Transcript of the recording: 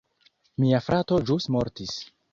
Mia frato ĵus mortis